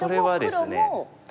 それはですね